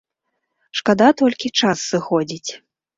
Шкада толькі, час сыходзіць.